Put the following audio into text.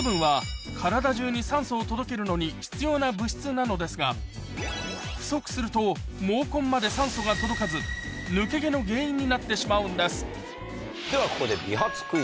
またのに必要な物質なのですが不足すると毛根まで酸素が届かず抜け毛の原因になってしまうんですではここで。